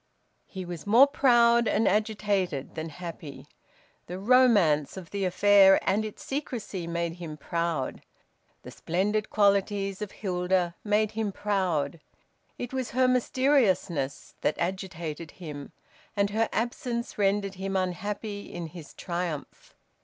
He was more proud and agitated than happy. The romance of the affair, and its secrecy, made him proud; the splendid qualities of Hilda made him proud. It was her mysteriousness that agitated him, and her absence rendered him unhappy in his triumph.